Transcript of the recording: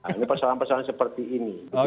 ini persoalan persoalan seperti ini